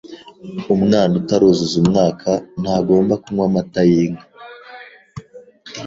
Umwana utaruzuza umwaka ntagomba kunywa amata y’inka.